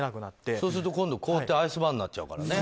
そうすると今度、凍ってアイスバーンになっちゃうからね。